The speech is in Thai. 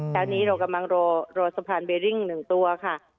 เช้านี้เรากำลังรอสะพานเบดิ้ง๑ตัวค่ะ